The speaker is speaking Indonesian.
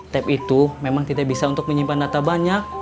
tap itu memang tidak bisa untuk menyimpan data banyak